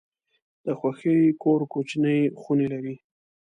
د خوښۍ کور کوچني خونې لري.